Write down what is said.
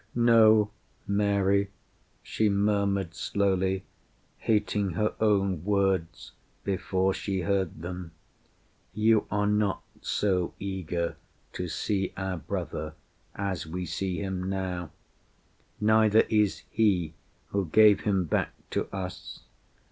"No, Mary," She murmured slowly, hating her own words Before she heard them, "you are not so eager To see our brother as we see him now; Neither is He who gave him back to us.